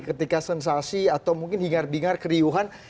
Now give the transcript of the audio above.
ketika sensasi atau mungkin hingar bingar keriuhan